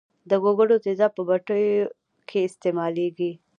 د ګوګړو تیزاب په بټریو کې استعمالیږي.